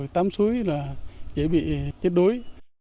tắm suối là dễ bị chết đuối